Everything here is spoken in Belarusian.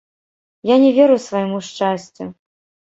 Я не веру свайму шчасцю!